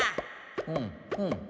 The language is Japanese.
うんうん。